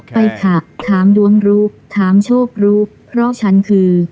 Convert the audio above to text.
ไปค่ะถามดวงรู้ถามโชครู้เพราะฉันคือ